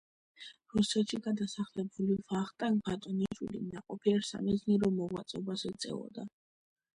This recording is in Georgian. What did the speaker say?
რუსეთში გადასახლებული ვახტანგ ბატონიშვილი ნაყოფიერ სამეცნიერო მოღვაწეობას ეწეოდა.